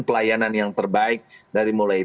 pelayanan yang terbaik dari mulai